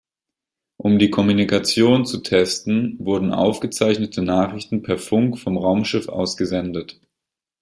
Um die Kommunikation zu testen, wurden aufgezeichnete Nachrichten per Funk vom Raumschiff aus gesendet.